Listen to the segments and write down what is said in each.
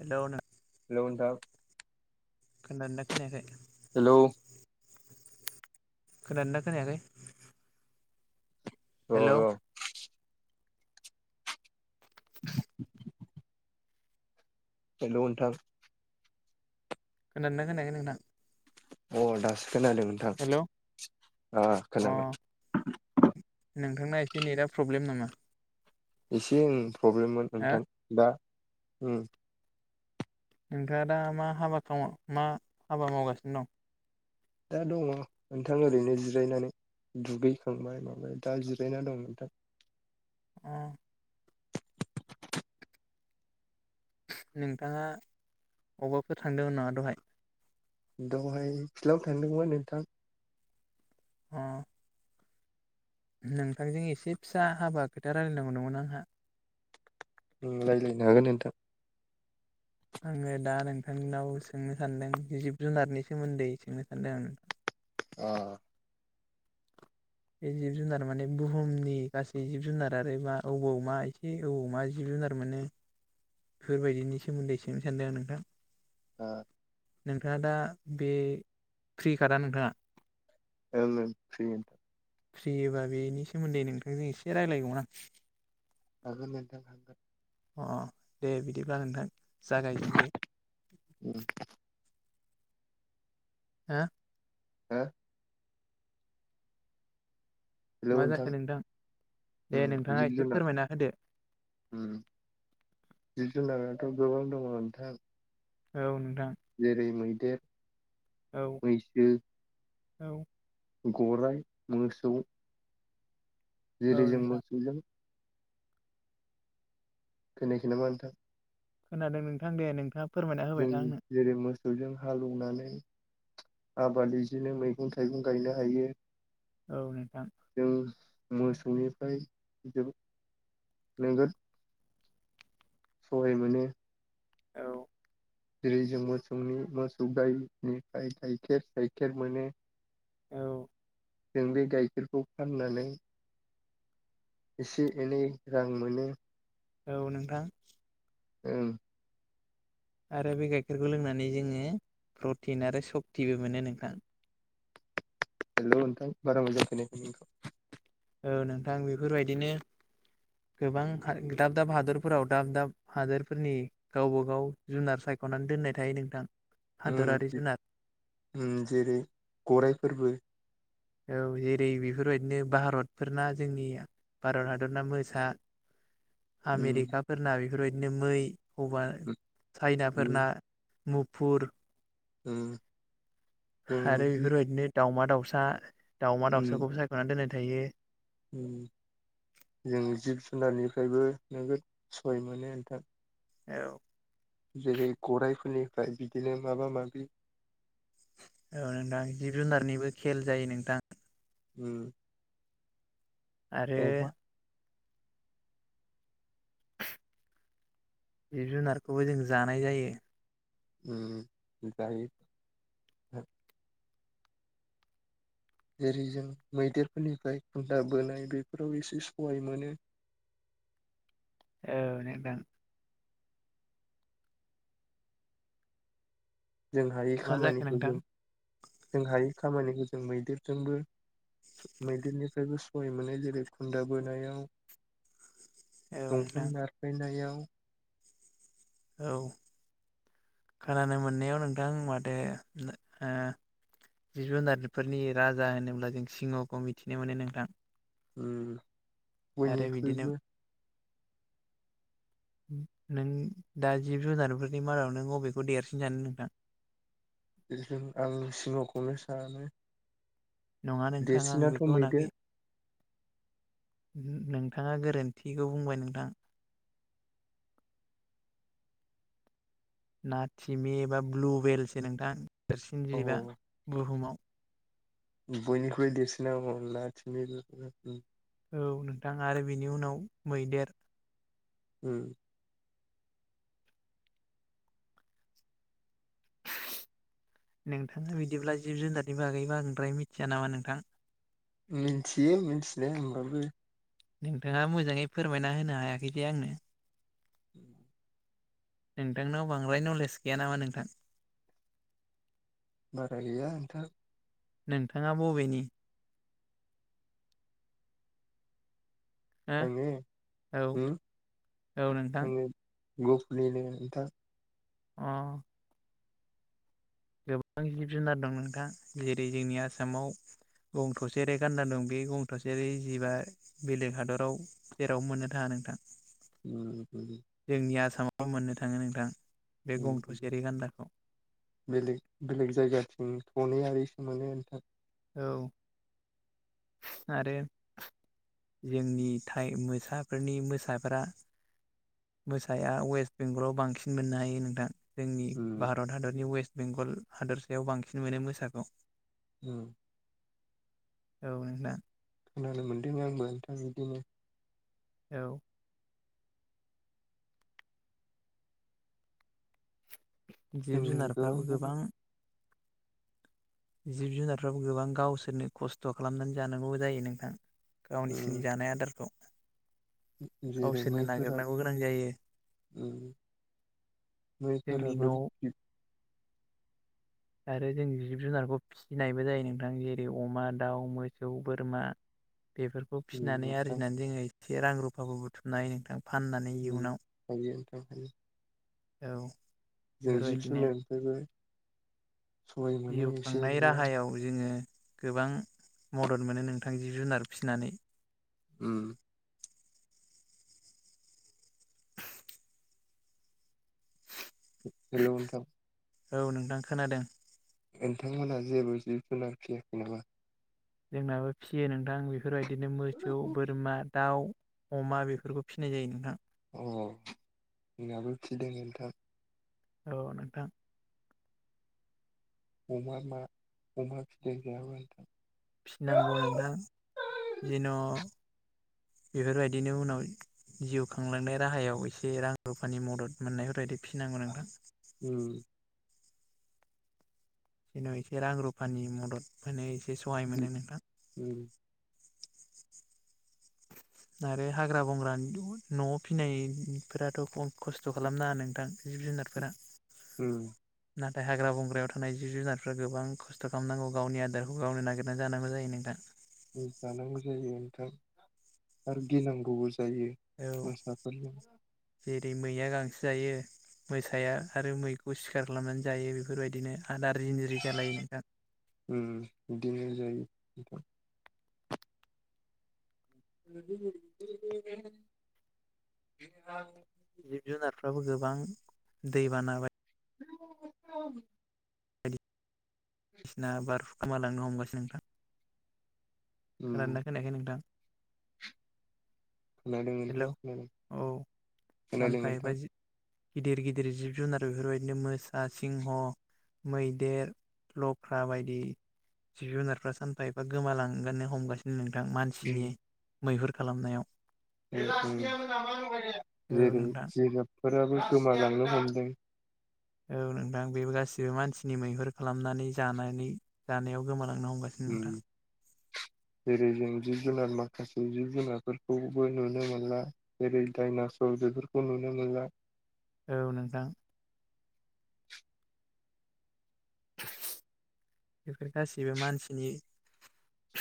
Hello hello नोंथां खोनादों ना खोनायाखै हेलौ खोनादों ना खोनायाखै र' हेलौ र' हेलौ नोंथां खोनादों ना खोनायाखै नोंथां अ दासो खोनादों नोंथां हेलौ ओ खोनाबाय अ नोंथांना एसे नेटआ प्रब्लेम नामा एसे ओम प्रब्लेममोन हो नोंथां दा नोंथाङा दा मा हाबा मा हाबा मावगासिनो दं दा दङ नोंथां ओरैनो जिरायनानै दुगैखांबाय माबाय दा जिरायना दं नोंथां [inaudible] नोंथाङा अबाफोर थांदों नामा दहाय दहाय फिल्डआव थांदोंमोन नोंथां अ नोंथांजों एसे फिसा हाबा खोथा रायज्लायनांगौ दंमोन आंहा रायज्लायनो हागोन नोंथां आङो दा नोंथांनाव सोंनो सान्दों जिब जुनारनि सोमोन्दै सोंनो सान्दों आं नोंथां अ बे जिब जुनार माने बुहुमनि गासै जिब जुनार आरो मा अबाव मा एसे अबाव मा जिब जुनार जुनार मोनो बेफोरबायदिनि सोमोनदै सोंनो सानदों आं नोंथां आ नोंथाङा दा बे फ्रि कादा नोंथाङा? ओं ओं फ्रि ओं फ्रियोबा बेनि सोमोनदै नोंथांजों एसे रायलायगौमोन आं जागोन दे नोंथां हागोन अ दे बिदिब्ला नोंथां जागायजेनदो उम हा हा मा जाखो नोंथां? दे उम नोंथाङा जिब एसे जुनार फोरमायना होदो उम जिब जुनाराथ' गोबां दङ नोंथां औ नोंथां जेरै मैदेर औ मैसो औ गराइ मोसौ औ जेरै जों नोंथां मोसौजों खोनायाखै नामा नोंथां? खोनादों नोंथां दे नोंथाङा फोरमायना होबाय जों था आंनो जेरै मोसौजों हालौनानै आबाद बिदिनो मैगं थाइगं गायनो हायो औ नोंथां जों मोसौनिफ्राय जोबोद नोगोद सहाय मोनो औ जेरै जों मोसौनि मोसौ गायनिफ्राय गाइखेर गाइखेर मोनो औ जों बे गाइखेरखौ फाननानै एसे एनै रां मोनो औ नोंथां ओं आरो बे गाइखेरखौ लोंनानै जोङो प्रटिन आरो सक्तिबो मोनो नोंथां हेलौ नोंथां बारा मोजां खोनायाखै औ नोंथां बेफोरबायदिनो गोबां दाब दाब हादरफोराव दाब दाब हादरफोरनि गावबा गाव जुनार साइख' ख'नानै दोननाय थायो नोंथां हादरारि ओम जुनार ओम जेरै गराइफोरबो औ जेरै बेफोरबायदिनो भारतफोरना जोंनिया भारत हादरना मोसा उम आमेरिकाफोरना बेफोरबायदिनो मै हबा चाइनाफोरना उम मुफुर उम जों आरो जि बेफोरबायदिनो दाउमा- दाउसा दाउमा उम दाउसाखौबो सायख'नानै दोननाय थायो उम जों जिब जुनारनिफ्रायबो नोगोद सहाय मोनो नोंथां औ जेरै गराइफोरनिफ्राय बिदिनो माबा माबि औ नोंथां जिब जुनारनिबो खेल जायो नोंथां उम आरो अमा जिब जुनारखौबो जों जानाय जायो ओम जायो जेरै जों मैदेरफोरनिफ्राय खुन्था बोनाय बेफोराव एसे सहाय मोनो [inaudible] औ नोंथां जों हायै मा जाखो खामानिखौ नोंथां जों जों हायै खामानिखौ जों मैदेरजोंबो मैदेरनिफ्रायबो सहाय मोनो जेरै खुन्था बोनायाव औ दंफां नोंथां नारफायनायाव औ खोनानो मोननायाव नोंथां माथो ओ जिब जुनारफोरनि राजा होनोब्ला जों सिंहखौ मिथिनो मोनो नोंथां ओम‌ आरो बिदिनो बनिख्रुइबो नों दा जिब जुनारफोरनि मादाव नों बबेखौ देरसिन सानो नोंथां बेजों आं सिंहखौनो सानो नङा नोंथां आं देरसिनाथ' बेखौ होनाखै मैदेर ओमहो नोंथाङा गोरोन्थिखौ बुंबाय नोंथां नाथिमि एबा ब्लुवेलसो नोंथां देरसिन जिबा बुहुमाव बयनिख्रुइबो देरसिना [unintelligible] औ नोंथां आरो बिनि उनाव मैदेर ओम [inaudible] नोंथाङा बिदिब्ला जिब जुनारनि बागैबो बांद्राय मिथिया नामा नोंथां मिथियो मिथिनाया होमबाबो नोंथाङा मोजाङै फोरमायना होनो हायाखै दे आंनो [inaudible] नोंथांनाव बांद्राय नलेज गैया नामा नोंथां बारा गैया नोंथां नोंथाङा बबेनि हो आङो औ ओ औ नोंथां गपुरनिनो नोंथां अ गोबां जिब जुनार दं नोंथाङा जेरै जोंनि आसामाव गं थसेयारि गानदा दं बे गं थसेेयारि जिबा बेलेग हादराव जेरावबो मोननो थाङा नोंथां ओम जोंनि आसामाबो मोननो थाङो नोंथां बे गं थसे रेगान्दाखौ बेलेग बेलेग जायगाथिं थनैयारि सो मोनो नोंथां औ आरो जोंनि थाय मोसाफोरनि मोसाफोरा मोसाया वेस्ट बेंगलाव बांसिन मोननो हायो नोंथां जोंनि भारत हादरनि वेस्ट बेंगल हादरसायाव बांसिन मोनो मोसाखौ ओम औ खोनानो मोन्दों आंबो नोंथां बिदिनो औ जिब जुनारफ्राबो गोबां जिब जुनारफ्राबो गोबां गावसोरनो खस्थ' खालामनानै जानांगौ जायो नोंथां गावसिनि जानाय आदारखौ जेरै गावसोरनो मैफोरा नागिरनांगौ गोनां जायो ओम जोंनि मैफोराबो न' आरो जों जिब जुनारखौ फिसिनायबो जायो नोंथां जेरै अमा दाउ मोसौ बोरमा बेफोरखौ फिसिनानै नोंथां आरजिनानै जोङो एसे रां रुफाबो बुथुमनो हायो नोंथां फाननानै इयुनाव हायो नोंथां हायो औ जों जिब बेफोरबायदिनो जुनारनिफ्रायबो सहाय मोनो जिउ एसे खांनाय एनैया राहायाव जोङो गोबां मदद मोनो नोंथां जिब जुनार फिसिनानै ओम हेलौ नोंथां औ नोंथां खोनादों नोंथांमोनहा जेबो जिब जुनार फियाखै नामा जोंनाबो फिसियो नोंथां बेफोरबायदिनो मोसौ बोरमा दाउ अमा बेफोरखौ फिसिनाय जायो नोंथां अ जोंनाबो फिदों नोंथां औ नोंथां अमा मा अमा [unintelligible] फिनांगौ नोंथां जेन' [inaudible] बेफोरबायदिनो उनाव जिउ खांलांनाय राहायाव एसे रां रुफानि मदद मोननायफोरबायदि फिनांगौ नोंथां उम जेन' एसे रां रुफानि मदद मोनो एसे सहाय जि मोनो नोंथां उम आरो हाग्रा बंग्रानि न'वाव फिनायफोराथ' खस्थ' खालामनाङा नोंथां जिब जुनारफोरा ओम नाथाय हाग्रा बंग्रायाव थानाय जिब जुनारफ्रा गोबां खस्थ' खालामनांगौ गावनि आदारखौ गावनो नागिरनानै जानांगौ जायो नोंथां जानांगौ जायो नोंथां आरो गिनांगौबो जायो औ मोसाफोरजों जेरै मैया गांसो जायो मोसाया आरो मैखौ सिखार खालामनानै जायो बेफोरबायदिनो आदार जिनजिरि जालायो नोंथां उम बिदिनो जायो नोंथां [unintelligible] जिब जुनारफ्राबो गोबां दै बाना [inaudible] बायदिसिना बारहु गोमालांनो हमगासिनो नोंथां खोनादोंना खोनायाखै नोंथां हेल' नोंथां खोनादों औ खोनादों सानफा‌ एफा नोंथां गिदिर गिदिर जिब जुनार बेफोरबायदिनो मोसा सिंह मैदेर लख्रा बायदि जिब जुनारफ्रा सानफा एफा गोमालांगोननो हमगासिनो नं थां उम मानसिनि मैहुर खालामनायाव [unintelligible] औ नोंथां जेरै फोराबो गोमालांनो हमदों औ नोंथां बेबो गासिबो मानसिनि मैहुर खालामनानै जानानै जानायाव गोमानां लांनो हमगासिनो उम नोंथां [inaudible] जेरै जों जिब जुनार माखासे जिब जुनारफोरखौबो नुनो मोनला जेरै डाइनासर बेफोरखौ नुनो मोनला औ नोंथां बेफोर गासिबो मानसिनि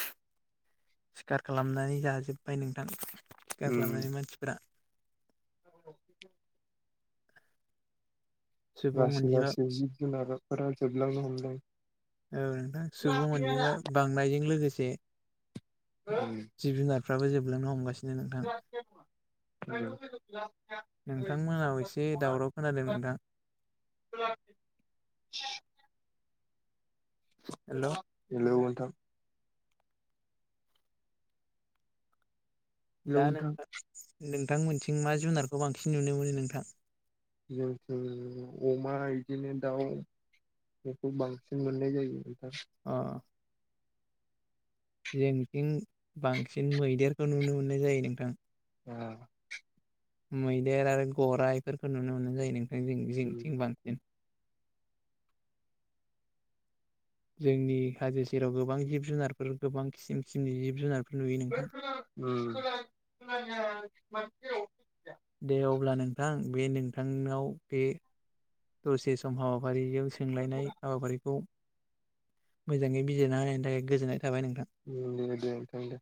सिखार खालामनानै जाजोब्बाय नोंथां सिखार उम खालामनानै मानसिफोरा [inaudible] सुबुं लासै अनजिमा लासै जिब जुनाराफोरा जोबलांनो हमदों औ नोंथां सुबुं अनजिमा बांनायजों लोगोसे जिब जुनारफ्राबो जोबलांनो हमगासिनो नोंथां [unintelligible] नोंथांमोनाव एसे दावराव खोनादों नोंथां [unintelligible] [inaudible] हेल' हेलौ नोंथां दा नोंथां नोंथां मोनथिं मा जुनारखौ बांसिन नुनो मोनो नोंथां जों जों अमा बिदिनो दाउ बेखौ बांसिन मोननाय जायो अह जोंनिथिं बांसिन मैदेरखौ नुनो मोननाय जायो नोंथां ओह मैदेर आरो गराइ बेफोरखौ नुनो मोननाय जायो नोंथां जों उम जिंनिथिं बांसिन जोंनि हाजो सेराव गोबां जिब जुनारफोर गोबां खिसिम खिसिमनि जिब जुनारफोर नुयो नोंथां उम [unintelligible] दे अब्ला नोंथां बे नोंथांनाव बे दसे समाव हाबाफारिजों दे सोंलायनाय हाबाफारिखौ मोजाङै बिजिरना होनायनि थाखाय गोजोननाय थाबाय नों औ दे नोंथां दे